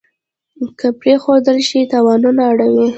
که پرېښودل شي تاوانونه اړوي.